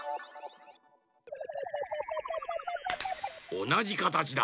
おなじかたちだ。